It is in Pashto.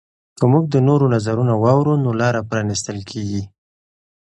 که موږ د نورو نظرونه واورو نو لاره پرانیستل کیږي.